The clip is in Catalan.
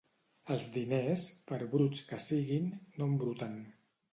Els diners, per bruts que siguin, no embruten.